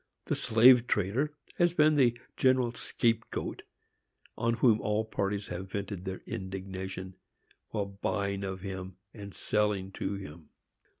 The slave trader has been the general scape goat on whom all parties have vented their indignation, while buying of him and selling to him.